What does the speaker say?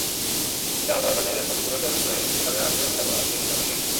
এটা হতাহতদের ক্ষতিপূরণ দেওয়া বিষয়ে ক্রেতাদের আগ্রহে ভাটা পড়াকেই সামনে নিয়ে এসেছে।